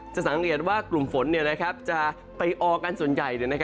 สังเกตว่ากลุ่มฝนจะไปออกันส่วนใหญ่